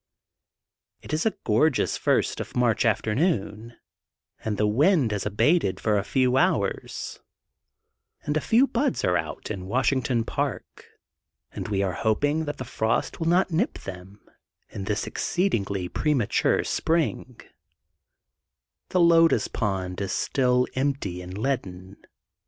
It is a gorgeous first of March afternoon and the wind has abated for a few hours, and a few buds are out in Washington Park and we are hoping that frost will not nip them in this exceedingly premature spring, lie lotus pond is still empty and leaden.